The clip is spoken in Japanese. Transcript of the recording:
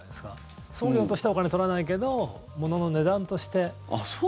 送料としてお金は取らないけど物の値段として。